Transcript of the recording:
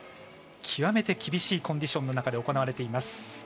極めて厳しいコンディションの中で行われています。